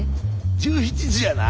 １７時やな？